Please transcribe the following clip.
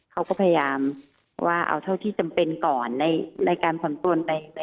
เขาก็พยายามว่าเอาเท่าที่จำเป็นก่อนในการส่วนตัวในระยะที่๑นะคะ